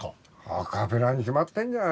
アカペラに決まってんじゃないかお前。